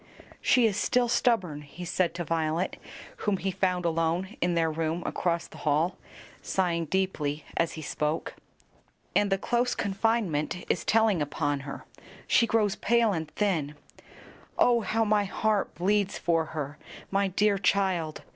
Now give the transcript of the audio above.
"She is still stubborn," he said to Violet, whom he found alone in their room across the hall, sighing deeply as he spoke; "and the close confinement is telling upon her; she grows pale and thin. Oh, how my heart bleeds for her, my dear child!